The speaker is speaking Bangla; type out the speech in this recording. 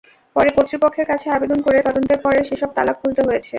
পরে কর্তৃপক্ষের কাছে আবেদন করে তদন্তের পরে সেসব তালা খুলতে হয়েছে।